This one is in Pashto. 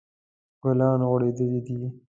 ګلان غوړیدلی دي